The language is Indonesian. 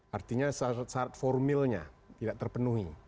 artinya saat formilnya tidak terpenuhi